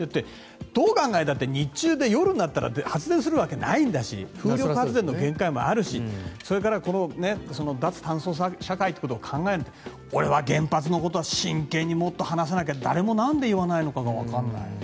どう考えたって日中で夜になったら発電するわけないんだし風力発電の限界もあるしそれから脱炭素社会ということを考えると俺は原発のことは真剣にもっと話さなきゃ誰もなんで言わないのかがわかんない。